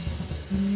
うん！